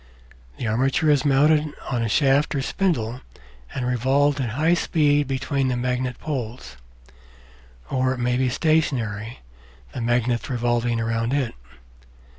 The armature is mounted on a shaft or spindle and revolved at high speed between the magnet poles ; or it may be stationary, the magnets revolving round it.